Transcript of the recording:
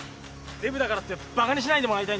デブだからってバカにしないでもらいたいんだよな。